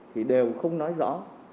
thì đều không nói rõ